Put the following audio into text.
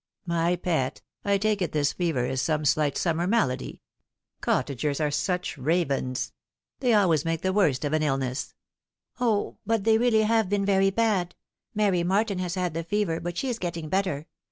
" My pet, I take it this fever is some slight summer malady. Cottagers are such ravens. They always make the worst of i;a illness." " O, but they really have been very bad. Mary Martin has had the fever, but she is getting better.